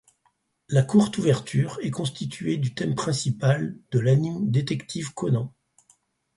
La courte ouverture est constituée du thème principal de l'anime Détective Conan.